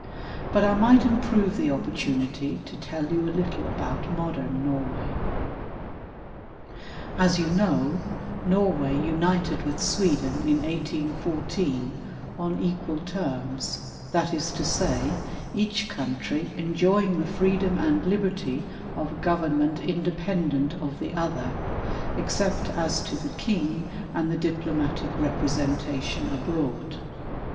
But I might improve the opportunity to tell you a little about modern Norway. As you know, Norwaj'' united with fSweden in 1814, on equal terms ; that is to say, each country enjoying the freedom and liberty of a government independent of the other, except as to the King and the diplomatic representation abroad.